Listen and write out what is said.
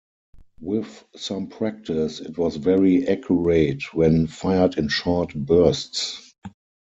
With some practice, it was very accurate when fired in short bursts.